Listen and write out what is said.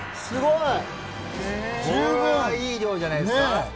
すごい！これはいい量じゃないですか。